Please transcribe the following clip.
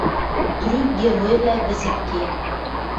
Трӱк «геройвлӓ» вӹзӹтге